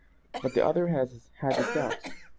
But the other had his doubts.